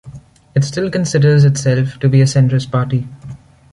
It still considers itself to be a centrist party.